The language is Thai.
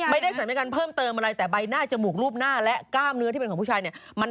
ไม่ได้สถานการณ์เพิ่มเติมอะไรแต่ใบหน้าจมูกรูปหน้าและกล้ามเนื้อที่เป็นของผู้ชายเนี่ย